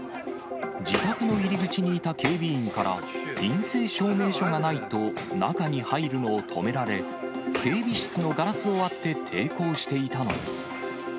自宅の入り口にいた警備員から、陰性証明書がないと、中に入るのを止められ、警備室のガラスを割って抵抗していたのです。